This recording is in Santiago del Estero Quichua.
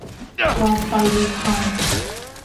waa payu kan